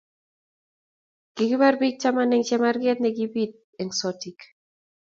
kikipar pik taman en chemarket nekipit en sotik